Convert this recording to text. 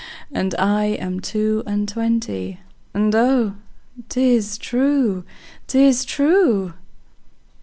'And I am two and twenty, And oh, 'tis true, 'tis true.